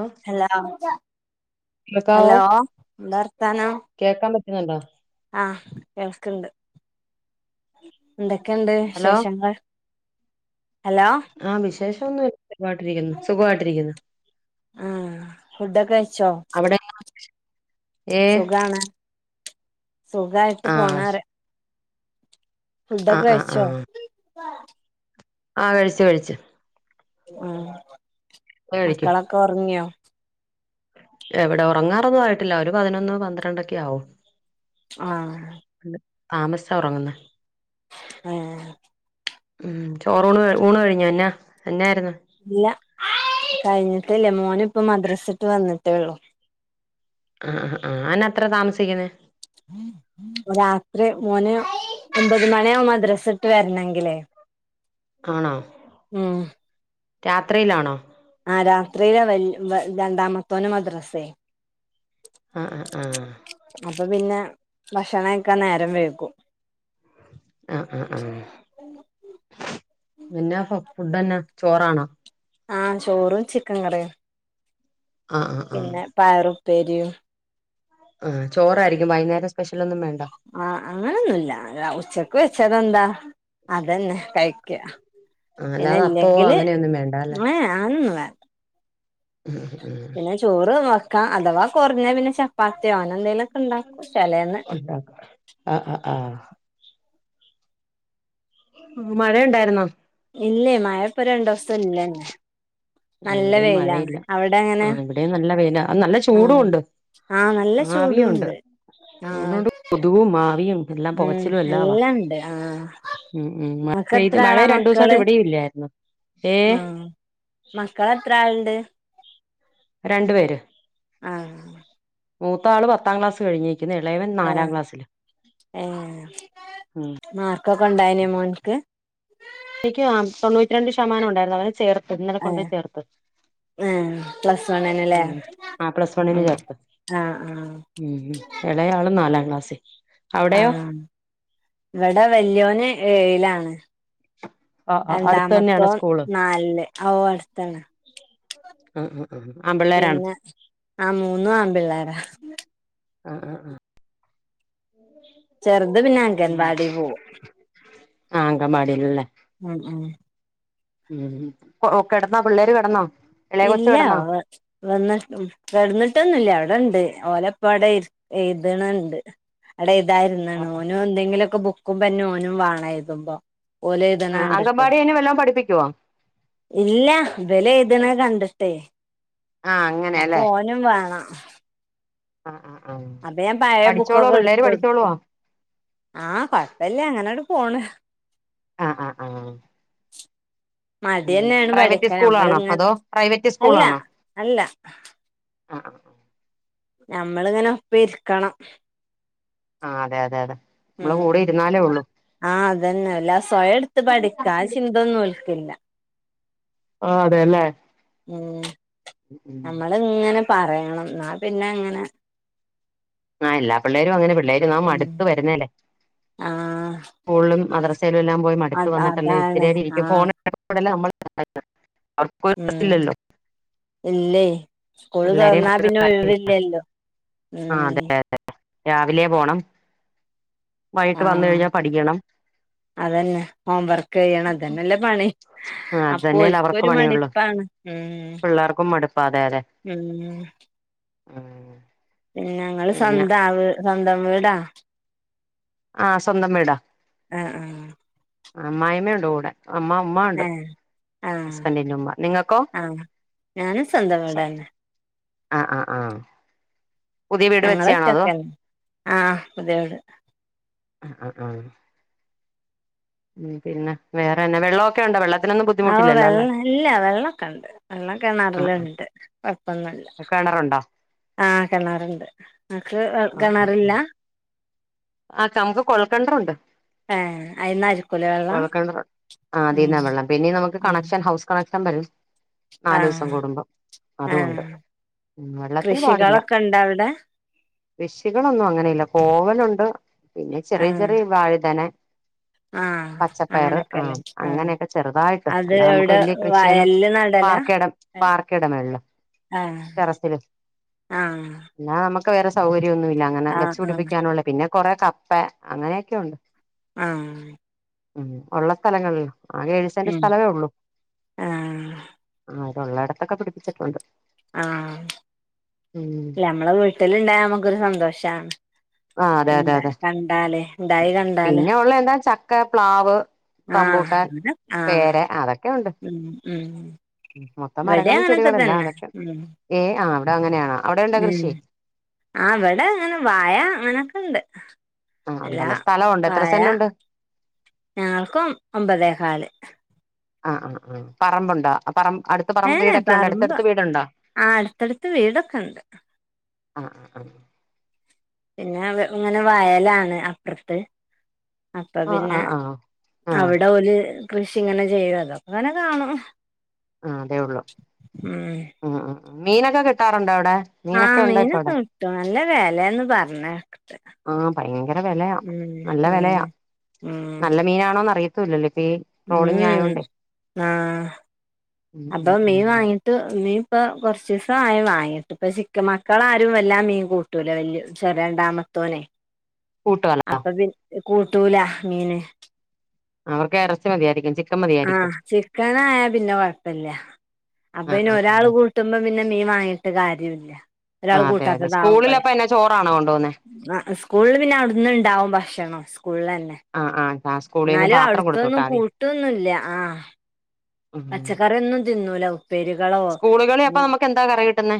ആഹ് hello കേൾക്കാവോ hello എന്താവർത്താനം കേക്കാൻ പറ്റുന്നുണ്ടോ ആഹ് കേൾക്ണ്ട് എന്തൊക്കെണ്ട് ഹലോ വിശേഷങ്ങൾ ഹലോ ആഹ് വിശേഷം ഒന്നും ല്ല സു ഗാട്ടിരിക്കുന്നു സുഖവായിട്ടിരിക്കുന്ന് ആഹ് ഫുഡൊക്കെ കഴിച്ചോ അവിടെ [inaudible] ഏഹ് സുഖാണ് സുഖായിട്ട് ആഹ് പോണ്റ് ഫുഡൊക്കെ ആഹ് ആഹ് കഴിച്ചോ ആഹ് ആഹ് കഴിച്ചു കഴിച്ചു ഉം ഹ് ഇപ്പൊ കഴിക്കും മക്കളക്കെ ഒറങ്ങിയോ എവിടെ ഒറങ്ങാറൊന്നും ആയിട്ടില്ല ഒരു പതിനൊന്ന് പന്ത്രണ്ടൊക്കെ ആവും ആഹ് താമസിച്ചാ ഒറങ്ങുന്നേ ഏഹ് ഉം ചോറൂണ് ക ഊണ് കഴിഞ്ഞോ എന്നാ എന്നാര്ന്ന് ഇല്ല കഴിഞ്ഞിട്ടില്ല മോന് ഇപ്പം മദ്രസ ഇട്ട് വന്നിട്ടേ ഒള്ളു ആഹ് ആഹ് ആഹ് അന്ന എത്രേം താമസിക്കുന്നേ [unintelligible] രാത്രി മോന് ഒമ്പത് മണിയാവും മദ്രസ്സ വിട്ട് വരണെങ്കിലേ ആണോ ഉം രാത്രിയിലാണോ ആഹ് രാത്രിയിലാ വെൽ രണ്ടാമത്തോന് മദ്രസ്സേ ആഹ് ആഹ് ആഹ് അപ്പൊ പിന്നെ ഭക്ഷണം കഴിക്കാൻ നേരം വൈകും ആഹ് ആഹ് ആഹ് പിന്നാ ഫുഡ് എന്നാ ചോറാണോ ആഹ് ചോറും ചിക്കൻ കറിയും ആഹ് ആഹ് ആഹ് പിന്നെ പയറ് ഉപ്പേരിയും ആഹ് ചോറാരിക്കും വൈകുന്നേരം സ്പെഷ്യൽ ഒന്നും വേണ്ട ആഹ് അങ്ങനൊന്നും ഇല്ലാ ര ഉച്ചക്ക് വെച്ചതെന്താ അതെന്നെ കഴിക്കാ ആ പിന്നെ അല്ലാതെ അപ്പോ ഇല്ലെങ്കില് അങ്ങനെയൊന്നും വേണ്ട അല്ലെ ഏഹ് [unintelligible] ഉം ഉം പിന്നെ ചോറ് വക്കാ അഥവാ കൊറഞ്ഞാ പിന്നെ ച പ്പാത്തിയോ അങ്ങ നെ എന്തേലൊക്കെ ഒണ്ടാക്കും ചേലെന്നു ഉണ്ടാക്കാം ആഹ് ആഹ് ആഹ് ഉം മഴ ഒണ്ടായിരുന്നോ ഇല്ലേ മഴപ്പ രണ്ട് ദിവസത്തേന് ഇല്ലന്നെ [unintelligible] ആ നല്ല ഇവിടെയും വെയിലാണ് മഴയില്ല അവിടെ ആ എങ്ങനെ ഇവിടേം നല്ലവെയിലാ അത് നല്ല ചൂടും ആഹ് ഒണ്ട് ആഹ് നല്ല ആവിയും ഒണ്ട് ചൂടുണ്ട് ആഹ് [unintelligible] കൊതുകും ആവിയും എല്ലാം ഉം പോകച്ചിലും എല്ലാവാ എല്ലാണ്ട് ആഹ് ഉം ഉം മഴ ഇങ്ങക്ക് പെയ്ത് എത്ര മഴ രണ്ടു ദിവസായിട്ട് ഇവിടെയും ഇല്ലാരുന്നു ഉം മക്കളെത്ര ആളൊണ്ട് രണ്ടുപേര് ആ മൂത്തയാള് പത്താം ക്ലാസ്സ് കഴിഞ്ഞുനിക്കുന്നു എളയവൻ ഏഹ് നാലാംക്ലാസ്സില് ഉം ക്കൊക്കെയൊണ്ടായേനേ മോൻക്ക് ൻക്ക് ആം തൊണ്ണൂറ്റിരണ്ടുശതമാനം ഒണ്ടായിരുന്നു അവന് ചേർത്ത് ഇന്നലെ കൊണ്ടുപോയി ചേർത്ത് ആം പ്ലസ് വണ്ണിനല്ലേ ഉം ആഹ് പ്ലസ് വണ്ണിന് ഉം ചേർത്ത് ആ ആ ഉം എളേയാള് നാലാംക്ലാസ്സി ആ ഇവിടെ വല്യോന് ഏഴിലാണ് ആഹ് ആഹ് അടുത്ത് തന്നെയാണ് രണ്ടാമത്തോൻ നാലില് അവിടെത്തന്നെ അ ആ അമ്പളെ പിന്നെ ആ മൂന്നും ആമ്പിള്ളേരാ ആ ആ ആ ഉ ചെറുതുപിന്നെ അംഗൻവാടിപോകും ആഹ് അങ്കൻവാടിയിലല്ലേ ഉം ഉം ഉം കെടന്നോ പിള്ളേരുകെടന്നോ ഇല്ല അവ് വന്നെട്ട് കെടന്നിട്ടൊന്നുല്ലാ അവിടൊണ്ട് ഓലപ്പവിടെ എഴുതണൊണ്ട് അടെ എഴുതായിരുന്നാണ് ആഹ് ഓനും എന്തെങ്കിലൊക്കെ ബുക്കും പെന്നും ഓനും വേണം എഴുതുമ്പോ ഓല് ആഹ് എഴുതണകണ്ടിട്ടേ അങ്കൻവാടി അയിനെ വല്ലോം പഠിപ്പിക്കുവോ ഇല്ല ഇതിലെഴുതണ കണ്ടിട്ടേ ആഹ് അപ്പൊ അങ്ങനെയല്ലേ ഓനുംവേണം ആ ആ ആ അപ്പൊ ഞാൻ പഴേ ബുക്കൊക്കെ എടുത്തു കൊടുത്തു ആ കൊഴപ്പില്ല അങ്ങനങ്ങട് പോണ് ആ ആ ആ മടി ഉം തന്നെയാണ് പഠിക്കാൻ പ്രൈവറ്റുസ്കൂളാണോ നമ്മളിങ്ങനെ അതോ അല്ല പ്രൈവറ്റുസ്കൂളാണോ അല്ല ആ ഞമ്മളിങ്ങനെ ഒപ്പം ഇരിക്കണം ആ അതെ അതെ അതെ നമ്മള് കൂടെ ഉം ഇരുന്നാലേ ഉള്ളൂ ആ അതന്നെയല്ലാ ആ സ്വയം എടുത്തുപഠിക്കാ ആ ചിന്തയൊന്നും ഓൽക്കില്ല ആ അതെയല്ലേ ഉം നമ്മളിങ്ങനെ പറയണം എന്നാ പിന്നെയങ്ങനെ. ആ എല്ലാപിള്ളേരും അങ്ങനെ പിള്ളേരിങ്ങനെ ഉം മടുത്ത് വരുന്നയല്ലേ ആഹ് സ്കൂളിലും മദ്രസയിലും എല്ലാംപോയി അത് മടുത്തുവന്നിട്ടല്ലേ അതാണ് ഇച്ചിയേരം ഇരിക്കും ആഹ് ഫോണ് മ്പഴല്ലേ നമ്മള് ഉം ഇല്ലേ പിള്ളേരെയും സ്കൂളുതൊറന്നാപിന്നെ ഒഴിവില്ലല്ലോ ആ അതെ ഉം രാവിലെ പോണം വൈകിട്ടു ആഹ് വന്നുകഴിഞ്ഞാ പഠിക്കണം അതന്നെ ഹോം വർക്കുചെയ്യണം അതനല്ലേപണി ആ അത് അപ്പൊ തന്നെയല്ലേ അവർക്ക് ഓരിക്കൊരു പണിയുള്ളൂ മടിപ്പാണ് ഉം പിള്ളേർക്കും മടുപ്പാ അതെയതെ ഉം പിന്നെ നിങ്ങള് പിന്നെ സ്വന്താ സ്വന്തംവീടാ ആഹ് സ്വന്തം വീടാ ആഹ് ആഹ് അമ്മായമ്മ ഒണ്ട് കൂടെ അമ്മ ഉമ്മ ആഹ് ഒണ്ട് ഏഹ് ആഹ് ഹസ്ബൻഡിന്റെ ഉമ്മ നിങ്ങക്കോ ആഹ് ഞാനും സ്വന്തം വീടന്നെ ആഹ് ആഹ് ആഹ് ഞങ്ങളൊറ്റക്കന്നെ ആഹ് പുതിയവിടെ അഹ് അഹ് ആഹ് ഉം പിന്നെ വേറെന്നെ വെള്ളോക്കെ എണ്ടോ വെള്ള ആഹ് വെള്ളം ഇല്ല വെള്ളൊക്കെണ്ട് വെള്ളം ആ കിണറിലെണ്ട് കൊഴപ്പൊന്നുല്ല. കിണറുണ്ടോ ആഹ് കിണറെണ്ട് നിങ്ങക്ക് വെ കിണറില്ല ആഹ് [unintelligible] കൊൽക്കെണറുണ്ട് ഏഹ് അയിന്നായിരിക്കൂലേ വെള്ളം കൊഴൽ കെണറ് ആഹ് ഉം അതീന്ന വെള്ളം പിന്നെ നമുക്ക് ഉം കണക്ഷൻ ഹൗസ് കണക്ഷൻ വരും നാലൂസം ആഹ് കൂടുമ്പോ അതും ഉണ്ട് ആഹ് ഉം വെള്ളത്തിന് പാടില്ല കൃഷികളൊക്കെണ്ടോ അവിടെ കൃഷികളൊന്നും അങ്ങനെയില്ല കോവലുണ്ട് പിന്നെ ചെറിയ ആഹ് ചെറിയ വഴുതന ആഹ് പച്ചപ്പയറ് അങ്ങനൊക്കെല്ലേ ആഹ് ആഹ് അങ്ങനെയൊക്കെ ചെറുതായിട്ട് അത് അല്ല നമുക്ക് എവിടെ വല്ല്യ കൃഷിയൊന്നും വയലില് നടലാ വാർക്കേടം വാർക്കേടെ മേളില് ആഹ് ആഹ്. അല്ലാതെ നമുക്ക് വേറെ സൗകര്യോന്നുല്ല അങ്ങനെ വെച്ച് ആഹ് ആഹ് പിടിപ്പിക്കാനുള്ള പിന്നെ കൊറെ കപ്പ അങ്ങനെയൊക്കെ ഒണ്ട്. ആഹ് ഉം ഒള്ള സ്ഥലങ്ങളില് ആകെ ഏഴു സെന്റ് ഉം സ്ഥലവേ ഉള്ളു. ആഹ് ആഹ് അതൊള്ളയിടത്തൊക്കെ പിടിപ്പിച്ചട്ടൊണ്ട്. ആഹ്. ഉം ഞമ്മള വീട്ടിലിണ്ടായ ഞമുക്കൊരു സന്തോഷാണ്. ആഹ് അതെ അതെ ഇണ്ടാ അതെ കണ്ടാല് ഇണ്ടായി കണ്ടാല് പിന്നെ ഒള്ള എന്താ ചക്ക പ്ലാവ് ആഹ് റംമ്പൂട്ടാൻ, അങ്ങനെ ആഹ് പേര അതൊക്കെ ഒണ്ട്. ഉം ഉം മൊത്തം ഇവിടെ മരങ്ങളും അങ്ങനൊക്കെ ചെടികളും എല്ലാം തന്നെ അതൊക്കെ ഉം ഏഹ് ആഹ് അവിടെ അങ്ങനെയാണാ ഉം ആഹ് ഇവ്ടെ അങ്ങനെ വായ അങ്ങനൊക്കെണ്ട്. ആ അല്ലാ ഉണ്ടല്ലോ സ്ഥലം ഉണ്ട് എത്ര വാഴ സെന്റ് ഉണ്ട് ഞങ്ങൾക്കും ഒമ്പതേ ഹാല്. ആഹ് ആഹ് ആഹ് പറമ്പുണ്ടാ പറമ്പ് അടു ഏഹ് പറമ്പ് ആഹ് അടുത്തടുത്ത് വീടൊക്കെണ്ട്. അഹ് ആഹ്. പിന്ന വെ ഇങ്ങനെ വയലാണ് അപ്പറത്ത് അപ്പൊ ആ പിന്ന ആ ആ ആ ആ അവിടെ ഓല് കൃഷി ഇങ്ങനെ ചെയ്യുവല്ലോ അതൊ‌ക്കിങ്ങനെ കാണും. ആഹ് അതേ ഉള്ളൂ ഉം ഉം മീനൊക്കെ കിട്ടാറുണ്ടോ അവിടെ? ആഹ് ഉണ്ടോ ഇപ്പ മീനൊക്കെ അവിടെ കിട്ടും നല്ല വെലേന്ന് പറഞ്ഞേക്കണ്ട്. ആഹ് ഭയങ്കര വെലയാ നല്ല വെലയാ ഉം നല്ല മീനാണോന്ന് അറിയത്തൂല്ലല്ലോ ഇപ്പ ഈ ട്രോളിങ് ഇം ആയോണ്ടേ ആഹ് ഉം അപ്പൊ ഉം മീൻ ഉം വാങ്ങീ ട്ട് മീൻ ഇപ്പം കൊർച്ചീസായി വാങ്ങീട്ട് ഇപ്പ ചിക്ക മക്കളാരും വല്ലാ മീൻ കൂ ട്ടൂല വല്ല്യ ചെറിയ രണ്ടാമത്തോനെ. കൂട്ടുവേല അപ്പൊ പിൻ കൂട്ടൂല മീന്. അവർക്ക് എറച്ചി മതിയായിരിക്കും ചിക്കൻ മതിയാരിക്കും. കെണായാ പിന്നെ കൊയ്പ്പല്ല. അപ്പൊ ആഹ് പിന്നെ ആഹ് ഒരാൾ ആഹ് കൂട്ടുമ്പോ പിന്നെ മീൻ വാങ്ങിട്ട് കാര്യുല്ല. ഒരാൾ ആഹ് അതെ അതെ കൂട്ടാത്തത് സ്കൂളിൽ ആവുമ്പളെ അപ്പൊ എന്നാ ചോറാണോ കൊണ്ടുപോകുന്നേ ആഹ് സ്കൂൾള് പിന്നെ അവ് ഇന്ന്ണ്ടാവും ഭക്ഷണം സ്കൂള്ലെന്നെ. ആഹ് ആഹ് ആഹ് സ്കൂളിൽന്ന് ന്നാലും പാത്രം കൊടുത്തു അവ്ട്ത്തൊന്നും വിട്ടാ മതി കൂട്ടൊന്നുല്ല ആഹ്. ഉം പച്ചക്കറിയൊന്നും തിന്നൂല ഉപ്പേരികളോ സ്കൂളുകളിൽ അപ്പൊ ഉം. നമുക്ക് എന്താ കറി കിട്ടുന്നേ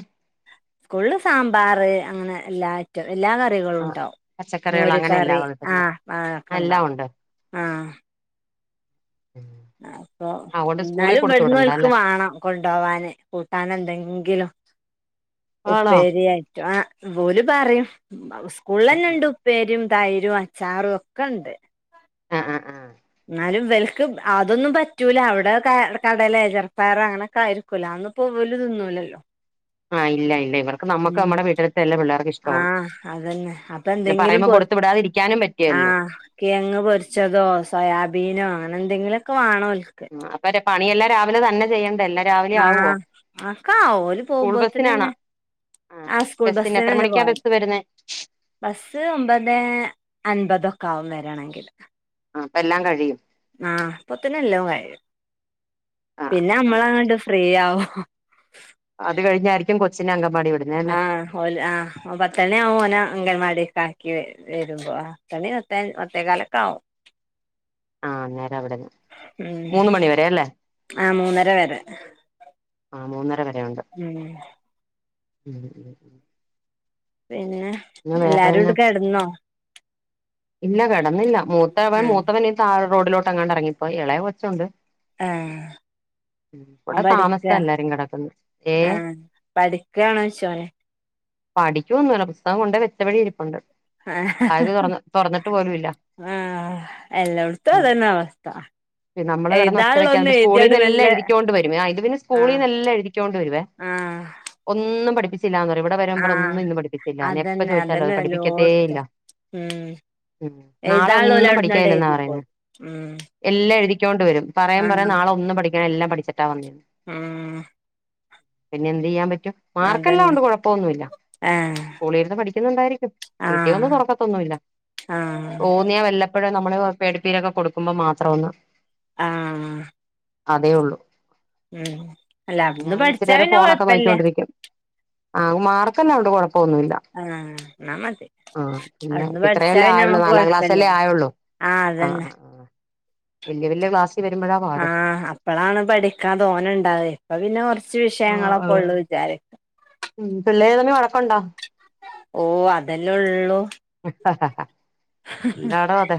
സ്കൂളില് സാമ്പാർ അങ്ങനെ എല്ലാ റ്റം എല്ലാ കറികളും ആഹ് ഇണ്ടാവും പച്ചക്കറികൾ അങ്ങനെ എല്ലാം മോര്കറി കിട്ടുന്നെ ആഹ് ആഹ് ഒക്കെ എല്ലാം ഇണ്ടാവും. ഉണ്ട് ആഹ്. അപ്പൊ അതുകൊണ്ട് സ്കൂളിൽ ഇന്നാലും കൊടുത്തു വിടണ്ട ഇവ്ട്ന്നോൽക്ക് അല്ലേ മാണം. കൊണ്ടോവാന് കൂട്ടാനെന്തെങ്കിലും ആണോ ഉപ്പേരിയായി ട്ടൊ ഓല് പറിം ആഹ് സ്കൂളിൽലെന്നെണ്ട് ഉ പ്പേരിം തൈരും അച്ചാറും ഒക്കെണ്ട്. ആഹ് ആഹ് ആഹ്. എന്നാലും ഇവൽക്ക് അതൊന്നും പറ്റൂല അവ്ടെ കെ കടലെ ചെർപയറോ അങ്ങനൊക്കെ ആയിരി ക്കു അല്ലോ അതൊന്ന്പൊ ഓല് തിന്നൂലല്ലോ. ആഹ് ഇല്ല ഇല്ല ഇവർക്ക് നമ്മക്ക് ഉം അമ്മടെ വീട്ടൽത്തെ എല്ലാ പിള്ളേർക്ക് ഇഷ് ആഹ് അതന്നെ അപ്പൊ എന്തെങ്കിലും പറയുമ്പോ പൊര് കൊടുത്തു വിടാതിരിക്കാനും പറ്റില്ലല്ലോ ആഹ്. കിഴങ്ങ് പൊരിച്ചതോ സോയാബീനോ അങ്ങനെ എന്തെങ്കിലൊക്കെ വാണോൽക്ക്. ഉം അപ്പൊര് പണിയെല്ലാം രാവിലെ തന്നെ ചെയ്യണ്ടെ എല്ലാ ആഹ് അതൊക്കാവും ഓല് സ്കൂൾ ബസ്സിനാണോ പോവുമ്പോത്ത്ന്നെന്നെ. ആഹ് സ്കൂൾ ബസ്സിന് എത്ര ബസ്സ്നെന്നെ മണിക്കാ പോവല്. ബസ് വരുന്നേ ബസ്സ് ഒമ്പതെ അൻമ്പതൊക്കെ ആവും വര്ണെങ്കിൽ. ആഹ് അപ്പ എല്ലാം കഴിയും ആഹ് അപ്പോത്തിന് എല്ലും കഴിയും ആ പിന്നെ ആ നമ്മളങ്ങണ്ട് ഫ്രീയാവും അത് കഴിഞ്ഞായിരിക്കും കൊച്ചിനേ അങ്കമ്പാടി വിടുന്നെ അല്ലെ ആഹ് ഓല് ആഹ് പത്തെണി ആവും ഓനെ അംഗൽവാടി കാക്കി വരുമ്പോ ആഹ് ത്തണി പത്തേകാലക്കാവും ആഹ് അന്നേരം അവിടെന്ന് ഉം മൂന്ന് മണി വരെ അല്ലേ ആഹ് മൂന്നര വരെ ആഹ് മൂന്നര വരേ ഉണ്ട് ഉം [inaudible] പിന്നെ പിന്നെ എല്ലാരുട് വേറെന്നാ കെടന്നോ ഇല്ല കിടന്നില്ല മൂത്തവൻ ആഹ് മൂത്തവൻ താഴെ റോഡിലോട്ട് എങ്ങാണ്ട് എറങ്ങിപ്പോയി ഇളയ കൊച്ചുണ്ട് ആഹ് അവൻ ഇവിടെ പഠിക്കാ താമസിച്ചാ എല്ലാരും കിടക്കുന്നെ ഏ ആഹ് പഠിക്കണോ ചോയിച്ചോന് പഠിക്കൊന്നു അല്ല പുസ്തകം കൊണ്ട് വെച്ചവഴി ഇരിപ്പുണ്ട് ബാഗ് തുറന്ന് തുറന്നിട്ട് പോലും ഇല്ല ആഹ് എല്ലോട്ത്തും ഉം അതെന്നെ അവസ്ഥ നമ്മള് കെടന്ന് ഒച്ച വെക്കാണ്ട് എഴുതാള്ളൊന്നും സ്കൂളിൽ എഴുതിയാണ്ട് എല്ലാം മെല്ലെ എഴുതികോണ്ട് വരും ആഹ് ഇത് പിന്നെ ആഹ് സ്കൂളിൽന്ന് എല്ലം എഴുതിക്കോണ്ട് വരുവേ ആഹ് ഒന്നും പഠിപ്പിച്ചില്ലാന്ന് പറയും ഇവിടെ വരുമ്പോൾ ആഹ് ഒന്നും ഇന്നും പഠിപ്പിച്ചില്ല എപ്പൊ അതന്നെ ചോദിച്ചാലും അത് അതന്നെ പഠിപ്പിക്കത്തേ ഇല്ല എല്ലോട്ത്തും ഉം നാളെ എഴ്താള്ളെ ഒന്നും ഓലവിട്ന്നാണ്ട് പഠിക്കാനില്ലെന്നാ എഴുതി പറയുന്നെ പോരും ഉം എല്ലാം എഴുക്കൊണ്ട് വരും പറയം പറയും ആഹ് നാളെ ഒന്ന് പഠിക്കണ്ട എല്ലാം പഠിച്ചിട്ടാ വന്നേന്ന് ഉം പിന്നെ എന്ത് ചെയ്യാൻ പറ്റും മാർക്കെല്ലാം അതന്നെ ഉണ്ട് കൊഴപ്പൊന്നുല്ല ആഹ് സ്കൂളിൽ നിന്ന് പഠിക്കുന്നുണ്ടായിരിക്കും വീട്ടി വന്നാൽ ആഹ് തുറക്കത്തൊന്നുമില്ല ആഹ് തോന്നിയാ വല്ലപ്പോഴ് നമ്മൾ പേടിപ്പീരൊക്കെ കൊടുക്കുമ്പോ മാത്രം ഒന്ന് ആഹ് അതേ ഉള്ളു ഉം അല്ല പിന്നെ അവിടുന്ന് അവൻ ഇച്ചിരി പഠിച്ചാ നേരം പിന്നെ ഫോണൊക്കെ കൊഴപ്പല്ല നോക്കിക്കൊണ്ടിരിക്കും ആഹ മാർക്കല്ലാം ഉണ്ട് കൊഴപ്പൊന്നുമില്ല ആഹ് എന്നാ മതി ആഹ് പിന്നെ അവിടുന്ന് പഠിച്ചാ പിന്നെ ആയുള്ളൂ നമ്മുക്ക് നാലാം ക്ലാസ്സ് അല്ലേ കൊഴപ്പല്ലല്ലോ ആയുള്ളൂ ആഹ് അ അതന്നെ അ വലിയ വലിയ ക്ലാസ് വരുമ്പോഴാ പാട് ആഹ അപ്പളാണ് പഠിക്കാൻ തോന്നെ ഉണ്ടവ ഇപ്പൊ പിന്നെ കുറച്ച് ആ വിഷയങ്ങളൊക്കെ അതെ ഉള്ളു അതെ വിചാരിക്ക ഉം പിള്ളേര് തമ്മിൽ വഴക്ക് ഉണ്ടാ ഓ അതെല്ലേ ഉള്ളൂ ഹ് ഹ് ഹ് എന്താടോ അത്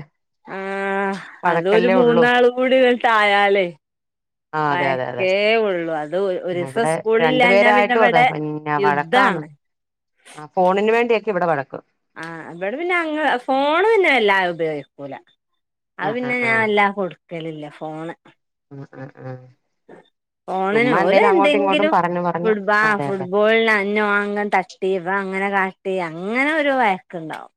ആ അതൊരു മൂന്നാൾ കൂടി ആയാലേ ആ അതെ അതെ അതെ മയക്കേ ഉള്ളു അത് ഒരു ദിവസം ഇവിടെ രണ്ടു സ്കൂളില്ലഞ്ഞാ പിന്നെ പേരായിട്ടും അതെ ഇവിടെ പിന്നെ വഴക്കാന്ന് യുദ്ധാണ് [inaudible] ആ ഫോണിന് വേണ്ടിയൊക്കെ ഇവിടെ വഴക്ക് ആ ഇവിടെ പിന്നെ അങ്ങനെ ഫോണ് പിന്നെ വല്ലാതെ ഉപയോഗിക്കൂല ആ അത് ആ പിന്നെ ആ ഞാൻ വല്ലാതെ കൊടുക്കലില്ല ഫോണ് അ അ ആ ഫോണിന് ചുമ്മാ പോലെ എന്തേലും അങ്ങോട്ടും ഇങ്ങോട്ടും എന്തെങ്കിലും പറഞ്ഞു പറഞ്ഞു ഫുട്ബോൾ അതെ അതെ ഫുട്ബോളന് അന്നോ അങ്ങൻ തച്ചു ഇവ അങ്ങനെ കാട്ടി അങ്ങനെ ഒരു വയക്ക് ഉണ്ടാവും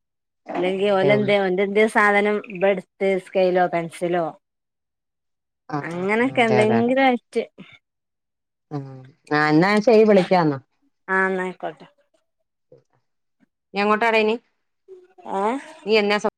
അല്ലെങ്കിൽ അതേ ഉള്ളൂ ഓലന്തേ സാധനം ഇവൻ എടുത്ത് സ്കെയിലോ പെൻസിലോ ആ ആ ആ അങ്ങനൊക്കെ അതെ അതെ അതെ എന്തെങ്കിലും ആയിട്ട് ആ ന്ന ശരി ഞാൻ വിളിക്കാന്ന ആ ന്നയിക്കോട്ടെ എങ്ങോട്ടടയിന് ഏ നീ എന്നാ സപ്പോ